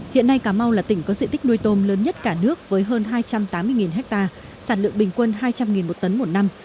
hiện nay cà mau là tỉnh có diện tích nuôi tôm lớn nhất cả nước với hơn hai trăm tám mươi ha sản lượng bình quân hai trăm linh một tấn một năm